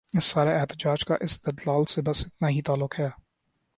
اس سارے احتجاج کا استدلال سے بس اتنا ہی تعلق ہے۔